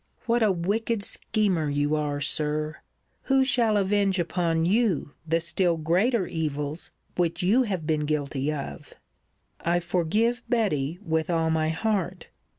What a wicked schemer you are, Sir! Who shall avenge upon you the still greater evils which you have been guilty of? I forgive Betty with all my heart.